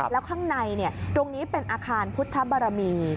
แล้วข้างในตรงนี้เป็นอาคารพุทธบารมี